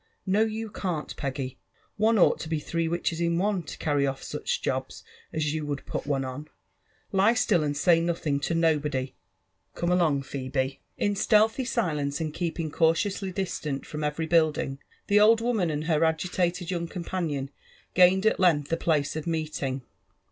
*' No« yoa can't, Peggy ; one ought to he three witches in one to csrry off such jobs as you would put one on : lie still and say noAIng to Bobody««^Come along, Phebe," 171 LIFE AND A0VENTURB8 OP In stealthy sileDce, and keeping cautiously distant from every build ing, the old woman and her agitated young companion gained at length the place of meeting.